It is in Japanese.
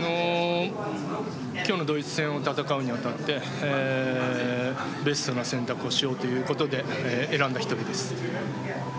今日のドイツ戦を戦うにあたってベストな選択をしようとしたことで選んだ１人です。